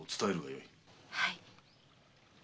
はい。